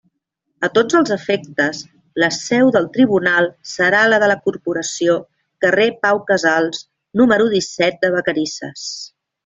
A tots els efectes, la seu del tribunal serà la de la Corporació, Carrer Pau Casals, número disset de Vacarisses.